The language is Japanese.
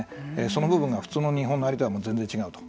その部分が普通の日本のアリとは全然違うと。